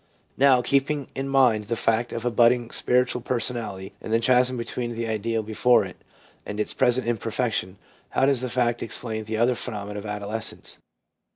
Now, keeping in mind the fact of a budding spiritual personality, and the chasm between the ideal before it and its present imperfection, how does this fact explain the other phenomena of adolescence.